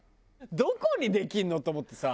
どこにできんの？と思ってさ。